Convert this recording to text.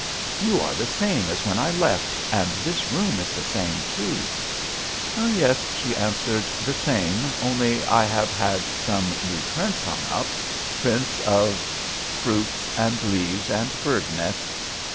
'You are the same as when eft, and this room is the same, 'Yes," she answered, "the Tie, only I have had some y prints hung up prints of its and leaves and bird nests.